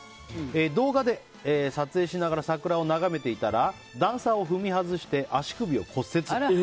動画で撮影しながら桜を眺めていたら段差を踏み外して、足首を骨折。